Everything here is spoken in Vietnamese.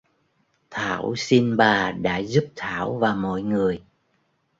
thảo xin bà đã giúp thảo và mọi người